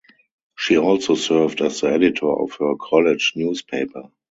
She also served as the editor of her college newspaper.